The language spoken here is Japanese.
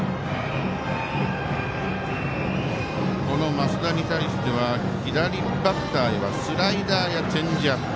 増田に対しては左バッターはスライダーやチェンジアップ。